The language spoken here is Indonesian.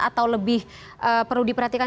atau lebih perlu diperhatikan